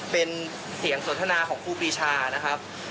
เป็นเสียงสนทนาของครูปีชานะครับ